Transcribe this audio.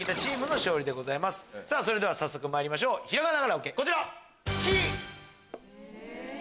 それでは早速まいりましょうひらがなカラオケこちら。